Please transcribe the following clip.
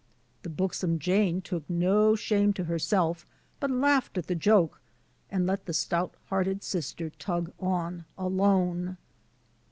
the buxom Jane took no shame to herself, but laughed at the joke, and let the stout hearted sister tug on alone.